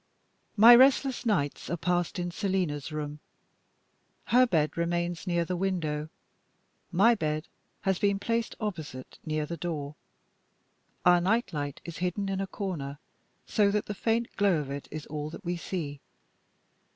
My restless nights are passed in Selina's room. Her bed remains near the window. My bed has been placed opposite, near the door. Our night light is hidden in a corner, so that the faint glow of it is all that we see.